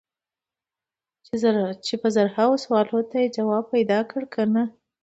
چې په زرهاوو سوالونو ته یې ځواب پیدا کړی که نه.